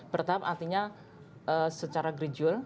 bertahap artinya secara gridul